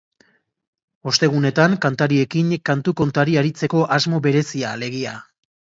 Ostegunetan kantariekin kantu-kontari aritzeko asmo berezia, alegia.